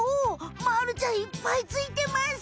まるちゃんいっぱいついてます！